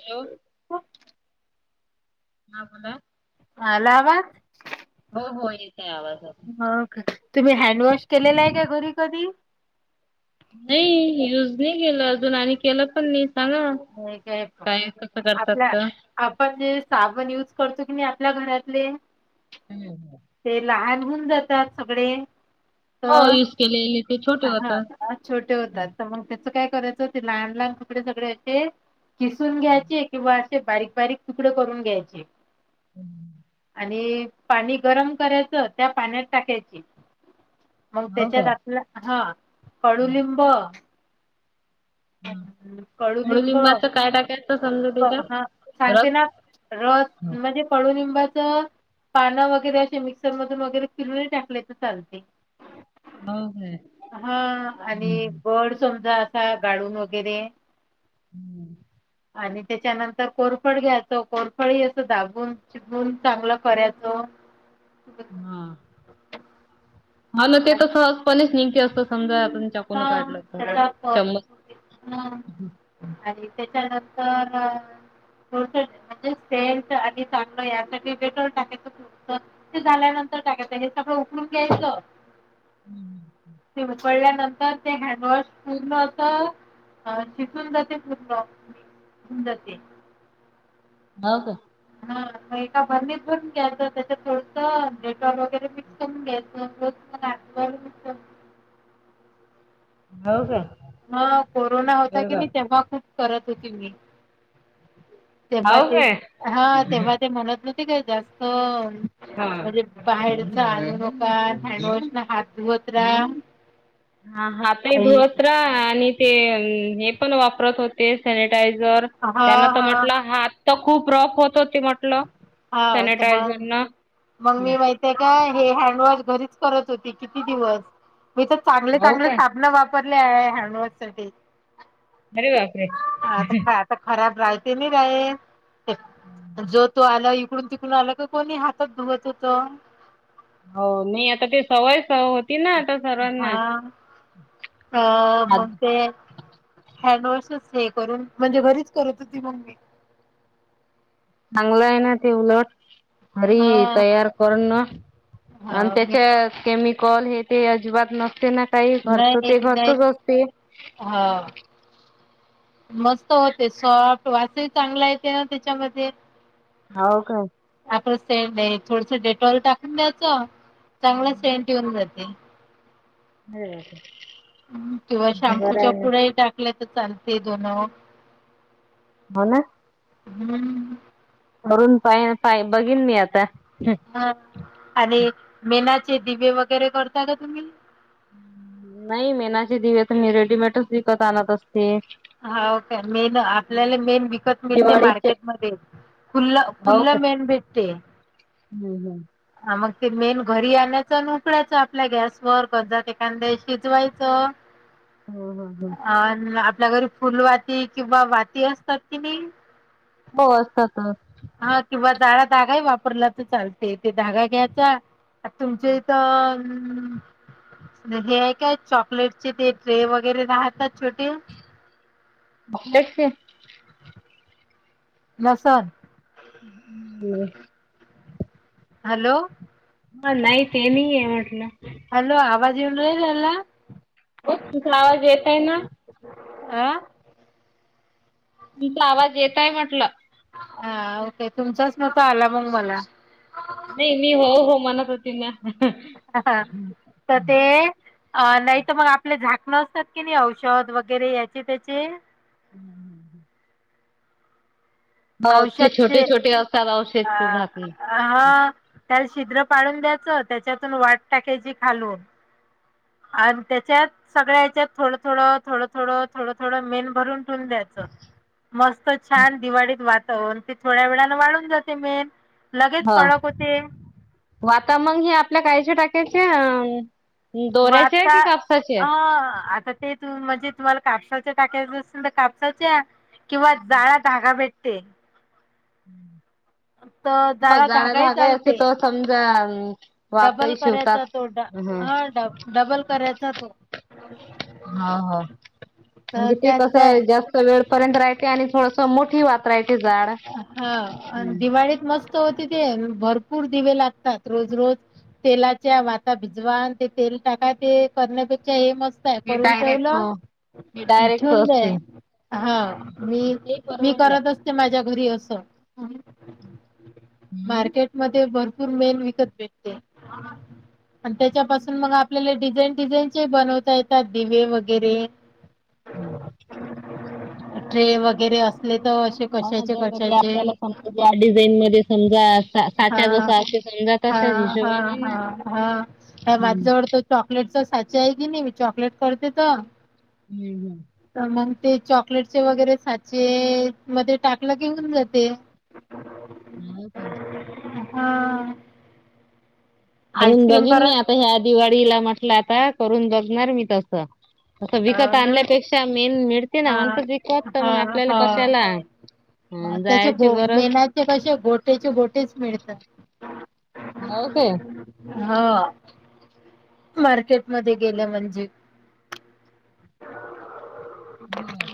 Hello! हा बोला. आला वाज? हो हो येते आवाज आता. हो का तुम्ही हँडवॉश केलेला आहे का घरी कधी? नाही युज नाही केलं अजून आणि केलं पण नाही सांगा. काय कसं करतात? आपल्या तर आपण जे साबण युज करतो की नाही आपल्या घरातले हम्म. ते लहान हून जातात सगळे. हो यूज केलेले ते छोटे होतात. अ छोटे होतात तर मग त्याच काय करायचं ते लहान लहान कपडे सगळे अशे किसून घ्यायचे किंवा असे बारीक बारीक तुकडे करून घ्यायचे. हम्. आणि पाणी गरम करायचं त्या पाण्यात टाकायची. मग हो त्याच्यात का? आपलं हा कडुलिंब ह कडुलिंब कडुलिंबाचं काय टाकायचं समजा ब हा त्याच्यात रस? सांगते ना रस हो म्हणजे कडुलिंबाच पानं वगैरे अशे मिक्सर मधून वगैरे फिरून टाकले तर चालते. काय हा आणि हम्म. गड समजा असा गाळून वगैरे [inaudible] आणि त्याच्यानंतर कोरफड घ्यायचो कोरफड हे असं दाबून शिकून चांगलं कऱ्याचं हा मला ते आणि तसच पणेच निघते असत. समजा आपण चाकून काढलं तर? चम्मच [unintelligible] ह आणि त्याच्यानंतर बहुतेक म्हणजे सेंट आणि चांगलं यासाठी डेटॉल टाकायचं. तर ते झाल्यानंतर काय काता हे सगळं उकळून घ्यायचं. हम् ह ते उकळल्यानंतर ते हँडवॉश पूर्ण होत. अ शिजून जाते पूर्ण मिक्स हून जाते. मग? हा. मग एका बरणीत भरून घ्यायचं त्याच्यात थोडसं डेटॉल वगैरे मिक्स करून घ्यायचं. [unintelligible] अच्छा. हो काय? मग कोरोना होता की नाही तेव्हा खूप करत होती मी. तेव्हा हो ते काय हा तेव्हा ते म्हणत नव्हते काय जास्त हा. म्हणजे बाहेरच आणू नका हँडवॉश न हात धुवत राहा. हा हा आपले आई धुवत रा आणि ते हे पण वापरत होते सॅनिटायझर. हा त्यान तर हा म्हटलं हात तर खूप रफ होत होते म्हटलं. हा तर सॅनिटायझर मग न मग मी माहिती ते काय हे हँडवॉश घरीच करत होती किती दिवस मी तर चांगले हो चांगले काय साबण वाप वापरले आहे हँडवॉश साठी. अरे बापरे नाही त काय? तो खराब राईटीमीराय ते जो तो आल के इकडून तिकडून आलं का कोणी हात धुवत होतं. हो नाही आता ते सवय स होत. हा अ मग ते हँडवॉशच हे करून म्हणजे घरीच करत होती मग् मी चांगलं आहे ना ते उलट घरी हा तयार करूण आणि हा मी त्याच्या केमी कॉल हे ते अजिबात नसते ना काही घरचं नाही ते घरचच नाही असते. हा. मस्त होते सॉफ्ट वासही चांगला येते ना त्याच्यामध्ये. हाव का? आपलं सेंडय थोडस डेटॉल टाकून द्यायचं चांगलं सेंट येऊन जाते. घरी राहते. किंवा शॅम्पूच्या पुड्याही टाकल्या तर चालते दोन ना ओ हो ना? हम्म. करून पाही पाही बघीन मी आता. हो आणि मीनाचे दिवे वगैरे करता का तुम्ही? नाही मेनाची दिवे तर मी रेडीमेटच विकत आणत असते. हाव काय मेन आपल्याला मेन विकत मिळते दिवाळीचे मार्केटमध्ये. खुल्ला हो खुल्ला का मेण भेटते. हम्म हम् [unintelligible] हा मग ते मेण घरी आणायचं आणि उकडायचं आपल्या गॅसवर कजात एखांद्या शिजवायचं हम्म हम्म हम्म अ आपल्या घरी फुलवाती किंवा वाती असतात कि नाही? हो असतात. हा किंवा जाळा धागाही वापरला तर चालते ते धागा घ्यायचा तुमच्या इथं हम्म हे आहे काय चॉकलेटचे ते ट्रे वगैरे राहता ना छोटे चॉकलेटचे नसर [unintelligible] ह हम् हम् [unintelligible] हॅलो हा नाही ते नाही आहे म्हटलं हॅलो आवाज येऊन नाही राहिला? हो तुमचा आवाज येतय ना आ तिचा आवाज येतंय म्हटलं हा ओके तुमचाच नव्हता आला मग मला नाही मी हो हो म्हणतं होते ना हा तर ते अ नाही तर मग आपले झाकणं असतात की नाही औषध वगैरे याचे त्याचे हम् हम् ह हो ते छोटे औषधचे छोटे असतात औषधं अ चे झाकणे हा त्याला छिद्र पाळून द्यायचं त्याच्यातून वात टाकायची खालून. आणि त्याच्यात सगळ्या हच्यात थोडं थोडं थोडं थोडं थोडं थोडं मेण भरून द्यायचं मस्त छान दिवाळीत वातावरण थोड्या वेळाने वाळून जाते मेण लगेच कडक होते. वता मग हे आपल्या कायच्या टाकायचे. दोऱ्याचे वाता की कापसाचे अ आता ते म्हणजे तुम्हाला कापसाचे टाकायचं असेल तर कापसाच्या किंवा जाळा धागा भेट ते तर हो जाळा जाडा धागाही धागाय असे चालते. तर समजा वाकही शिवतात हम्म डब डबल करायचा तो हा हा तर म्हणजे ते कसं त्यात आहे जास्त वेळ पर्यंत राहील आणि थोडसं मोठी वातरायची जाड हा हम्म. दिवाळीत मस्त होती ते भरपूर दिवे लागतात रोज रोज तेलाच्या वाता भिजवा आणि ते तेल टाका ते करण्यापेक्षा हे मस्त का हे करून डायरेक्ट ठेवलं हे डायरेक्ट ठेवून दे असते हा मी ते मी परवडलं. करत असतें माझ्या घरी असं हम्म. मार्केट मध्ये भरपूर मेण विकत भेटते. आणि त्याच्यापासून मग आपल्याला डिझाईन डिझाईनचे बनवता येतात दिवे वगैरे. हो ट्रे वगैरे असले तर असे हो न कशाचे जर ते कशाचे आपल्याला समजा डिझाईन मध्ये समजा सा साच्या हा जसा असे समजा तसाच हां, हिशोब हां, होणार ना? हां, हां. हम. माझ्याजवळ तो चॉकलेटचा साचा आहे की नाही? मी चॉकलेट करते तर हम् हम्म. तर मग ते चॉकलेटचे वगैरे साचे मध्ये टाकलं की हुन जाते. हाव काय? हा. करून बगीन मी करत आता ह्या दिवाळीला म्हटलं आता करून बगणार मी तस. तं हो विकत ना. आणल्यापेक्षा मेन मिळते ना हां. म्हंतर विकत मग आपल्याला कशाला? अ ह त्याचे जायची गो गरज मेनाचे कसे गोटेचे गोटेच मिळत. होव काय? हा मार्केट मध्ये गेलं म्हणजे. [inaudible] हम्म.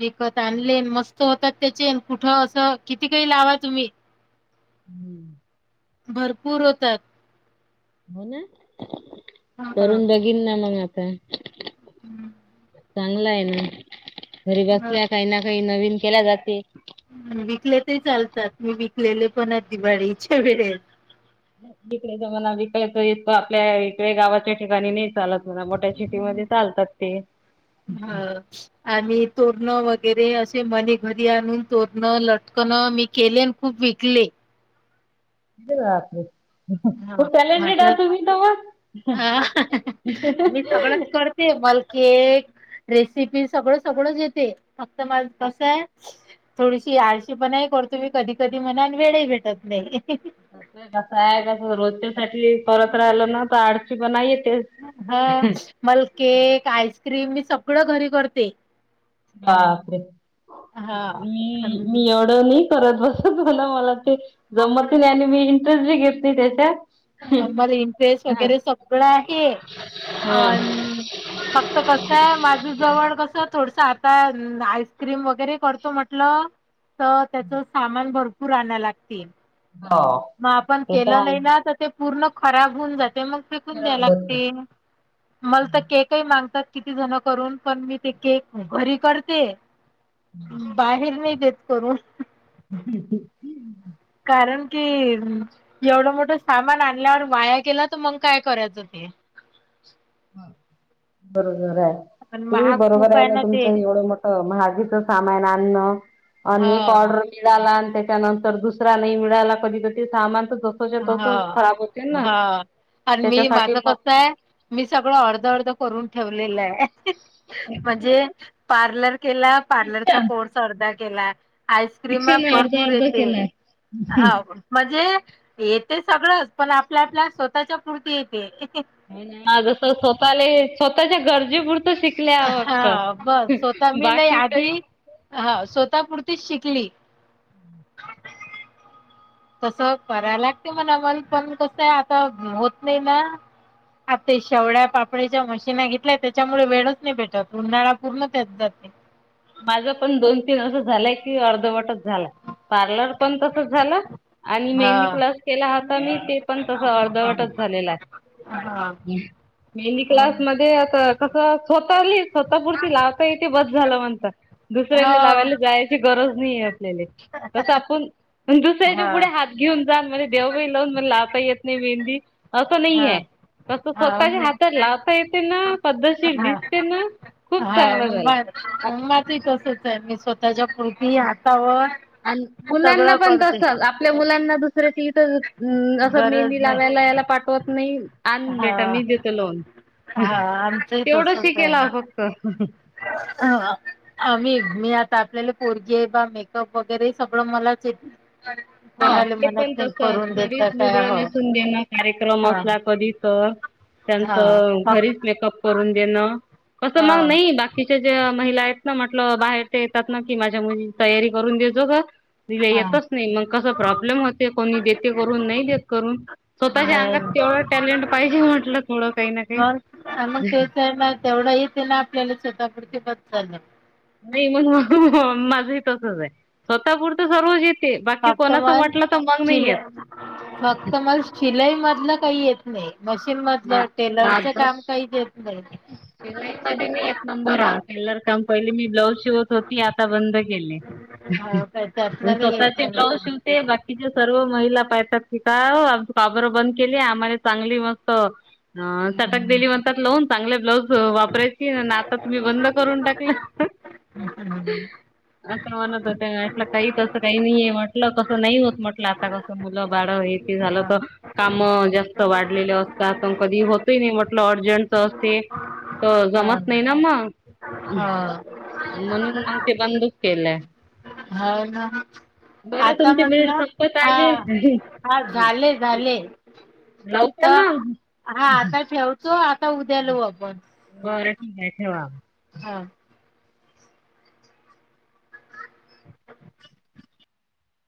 विकत आणलेन मस्त होतात त्याचे कुठं असं किती काही लावा तुम्ही. हम्म. भरपूर होतात. हो ना? हां. करून बघीन ना मग आता. हं. चांगला आहे ना घरी हां. बसल्या काही ना काही नवीन केला जाते. विकले ते चालतात. मी विकलेले पण आहेत दिवाळीच्या वेळेस. इकडेच मणा विकायच इक आपल्या इकडे गावाच्या ठिकाणी नाही चालत. मला मोठ्या शिटीमध्ये चालतात ते. ह आणि तोरण वगैरे असे मने घरी आणून तोरण लटकणं मी केले न खूप विकले. [unintelligible] तो हा टॅलेंटेड माझ्या हात तुम्ही त हात. हा टेबल केक रेसिपी सगळं सगळंच येते. फक्त माला कसाय? थोडीशी आळशी पणाही करतो मी कधी कधी मनान वेळही भेटत नाही. कस आहे कसं रोजच्यासाठी परत राहिलं ना तर आडशी पणा येतेच. हा मला केक आईस्क्रीम मी सगळं घरी करते. बापरे हा. मी आणि मी एवढं नाही करत बसत तुला मला- - ते जमत नाही आणि मी इंटरेस्ट बी घेत नाही त्याच्यात- मला इंटरेस्ट वगैरे सगळं आहे. हा आणि फक्त कस का माझं जवळ कस थोडस आता आईस्क्रीम वगैरे करतो म्हटलं. तर त्याच सामान भरपूर आणाय लागती. हो. म आपण ते तर केलं नाही ना आहे तर ते पूर्ण खराब होऊन जाते मग- - फेकून द्यायला लागते, मला तर केक - ते मागतात, किती जण करून पण मी ते केक घरी करते. बाहेर नाही देत करून. [unintelligible] कारण कि एवढं मोठं सामान आणल्यावर वाया गेल तर मंग काय करायचं ते. बरोबर आहे, पण ती महाग बरोबर खूप आहे ना ते तुमचं एवढं मोठ- महागीच सामान आणणं आणि एक हां, ऑर्डर- - मिळाला आणि त्याच्यानंतर दुसरा नई मिळाला कधी... तर ते सामान तसंच हा... हा... आन मी... त्याच्यासाठी माझं मग कसं ए. मी सगळं अर्ध अर्ध करून ठेवलेलं ए... हूहू... म्हणजे पार्लर केला... पार्लरचा शिक्षण कोर्स अर्धा केला. आईस्क्रीमं भरपूर येते. हूं. हां, म्हणजे.. येते सगळंच... पण आपल्या आपल्या स्वतःच्या पुर्ती येते. नाय नाय... हा जसं स्वतःले... स्वतःच्या गरजेपुर- हा बस, स्वतः मी नाही बाकी काही आधी हा... स्वतःपुरतीच शिकली. तसं... कराय लागते मला पण... पण कसं ए आता होत नई ना. आ ते शेवड्या पापडाच्या मशीना घेतल्याय.... त्याच्यामुळे वेळच नाही भेटत... उन्हाळा पूर्ण त्यात जाते. माझं पण दोन तीन असं झालंय कि, अर्धवटच झालाय... पार्लर पण तसच झालं आणि मेहेंदी हा. क्लास केला होता मी... ते पण तसं अर्धवटच झालेला ए. हा मेहेंदी क्लास मध्ये आता- कसं... स्वतःली... स्वतःपुरती लावता येते बस झालं म्हणतात... दुसऱ्याले हा लावायला जायची गरज नाही आपल्याले, तसं आपुन... दुसऱ्याच्या हा पुढे हात घेऊन जान आणि म्हणे दे गं बाई लावून... मला लावता येत नाही मेहंदी... असं नाई हा ए. तसं हा स्वतःच्या नाही हातात लावता येते ना... पद्धशीर हा दिसते ना. खूप हा चांगलं मग झालं. बास, माझं ही तसंच ए... मी स्वतःच्या पुर मी हातावर... आणि मुलांना सगळं पण करते. तसंच आपल्या मुलांना दुसऱ्याच्या इथं हम्म... असं मेहेंदी गरज नाही लावायला, याला पाठवत नई.. आण हा बेटा मी देते लावून. हा... आमचंही तसंच ए. हं... हूंहूं... हं. हूं हं. [unintelligible] मी आता आपल्याले पोरगी ये बा... मेकअप वगैरे सगळं मलाच येते. अरे बापरे हा ते पण तसंच... घरीच काय लुगडं हो नेसून देणार... कार्यक्रम हा असला कधी तर हा त्यांच घरीच फक्त मेकअप करून देणं.... कसं हा ना नई बाकी- तिच्या ज्या महिला आहेत ना... म्हटलं बाहेर ते येतात ना की माझ्या मुलगीची तयारी करून देतो का? तिले हा येतच नई... मग कसा प्रॉब्लेम होते... कोणी देते करून... नई देत करून. स्वतःच्या नाही अंगात तेवढं टॅलेंट पाहिजे म्हटलं थोडं... काई ना काई. मग मग तेच ए ना... तेवढा येते ना, आपल्याला स्वतःपुरती... बस झालं. [unintelligible] माझंही तसंच ए... स्वतः पुुरत सर्वच ए बाकी फक्त कोणाचं मग म्हटलं तर मग नाई शिलाई येत. फक्त मग शिलाई मधलं काही येत नाही. मशीन मा मधलं, टेलरचं काम काहीच येत नाई. शिवाई मध्ये मी एक नंबर [unintelligible] पहिली मी ब्लाउज शिवत होते. ती आता बंद केली... हो काय त्यातलं नाही येत स्वतःचे ब्लाउज नाही शिव ते बाकीच्या सर्व महिला [unintelligible] का बरं बंद केली आम्हाला चांगली मस्त हं... चटक दिली म्हणतात लावून... चांगले ब्लाऊज वापरायची [unintelligible] आता तुम्ही बंद करून टाकलं असं म्हणत होते म्हंटलं... ताई तसं काई नाहीए... म्हंटलं तसं नाई होत म्हटलं आता [unintelligible] आता मुलं बाळ हेती झालं तर कामं जास्त वाढलेले असतात... अन कधी होत ही नाई म्हटलं अर्जंट ते. तर हा जमत नाही ना मग.. हा म्हणून मग ते बंदच केलंय. हो ना? बरं आता तुमची मिनिट म्हटलं संपत हा. आली. हा झाले झाले लावू का तर मग? हा आता ठेव. सो आता उद्या लाऊ आपण. बरं ठीक आहे ठेवा. हा. [inaudible]